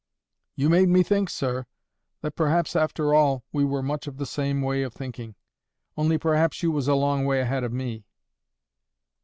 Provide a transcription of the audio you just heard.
"You made me think, sir, that perhaps, after all, we were much of the same way of thinking, only perhaps you was a long way ahead of me."